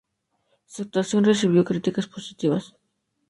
Su actuación recibió críticas positivas.